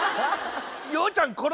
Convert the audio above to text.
洋ちゃん